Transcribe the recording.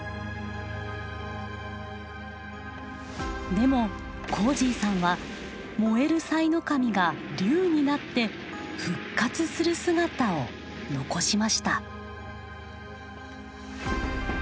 でもこーじぃさんは燃えるさいの神が龍になって復活する姿を残しました。